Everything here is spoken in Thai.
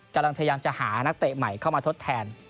กำลังพยายามจะหานักเตะใหม่เข้ามาทดแทน